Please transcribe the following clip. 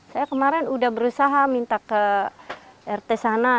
saya kemarin sudah berusaha minta ke rt sana